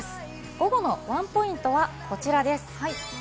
午後のワンポイントはこちらです。